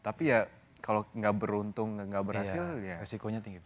tapi ya kalau gak beruntung gak berhasil ya resikonya tinggi